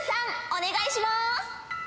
お願いします。